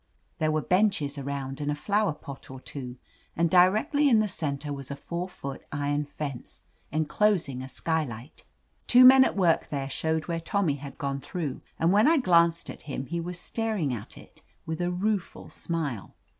There were benches around and a flower pot or two, and directly in the center was a four foot iron fence, enclosing a skylight. Two men at work there showed where Tommy had gone through, and when I glanced at him he was staring at it with a rueful smile.